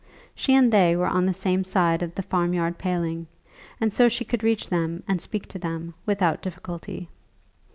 She and they were on the same side of the farmyard paling, and so she could reach them and speak to them without difficulty.